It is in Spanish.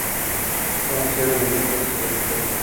Pueden ser horizontales o verticales.